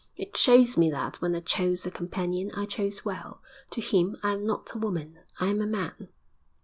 It shows me that, when I chose a companion, I chose well. To him I am not a woman; I am a man.